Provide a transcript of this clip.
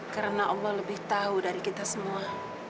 karena allah lebih tahu dari kita semua